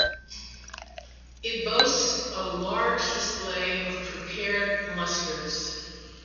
It boasts a large display of prepared mustards.